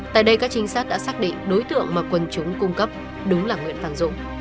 tại đây các trinh sát đã xác định đối tượng mà quần trúng cung cấp đúng là nguyễn tàng dũng